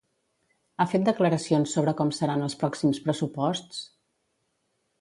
Ha fet declaracions sobre com seran els pròxims pressuposts?